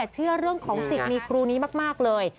เชื่อเรื่องของสิทธิ์มีครูนี้มากเลย